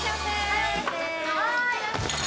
はい！